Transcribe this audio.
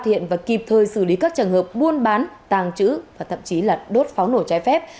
hiện và kịp thời xử lý các trường hợp buôn bán tàng trữ và thậm chí là đốt pháo nổ trái phép